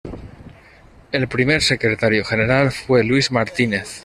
El primer secretario general fue Luis Martínez.